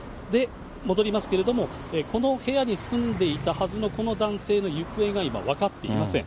戻りますけれども、この部屋に住んでいたはずのこの男性の行方が今、分かっていません。